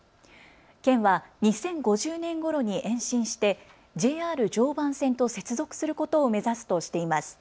県は２０５０年ごろに延伸してＪＲ常磐線と接続することを目指すとしています。